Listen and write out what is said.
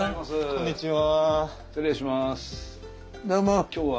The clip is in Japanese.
こんにちは。